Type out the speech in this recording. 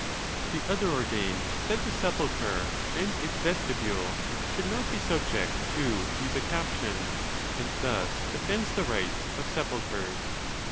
The other ordained, that the«sepulchre and its vestibule should not be subject to usucaption, and thus defends the rights of sepulchres.